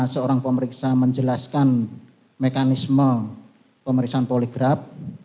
seorang pemeriksa menjelaskan mekanisme pemeriksaan poligraf